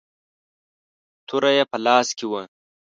توره يې په لاس کې وه.